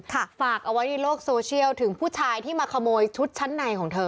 ฝากเอาไว้ในโลกโซเชียลถึงผู้ชายที่มาขโมยชุดชั้นในของเธอ